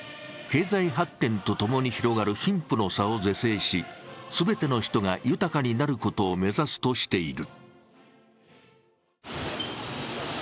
経済発展と共に広がる貧富の差を是正し全ての人が豊かになることを目指すとしている。